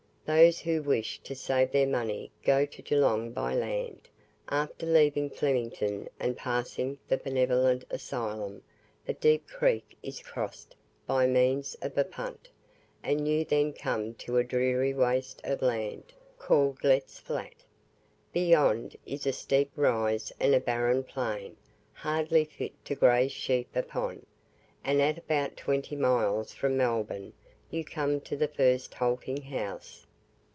Those who wish to save their money go to Geelong by land. After leaving Flemington, and passing the Benevolent Asylum, the Deep Creek is crossed by means of a punt, and you then come to a dreary waste of land, called Iett's Flat. Beyond is a steep rise and a barren plain, hardly fit to graze sheep upon, and at about twenty miles from Melbourne you come to the first halting house.